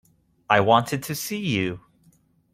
I wanted to see you.